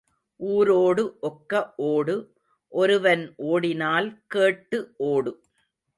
ஊரோடு ஒக்க ஓடு ஒருவன் ஓடினால் கேட்டு ஓடு.